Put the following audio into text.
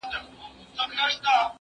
هغه وويل چي زه درس لولم؟